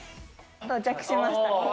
到着しました。